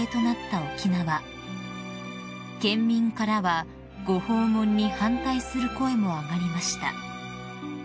［県民からはご訪問に反対する声も上がりました］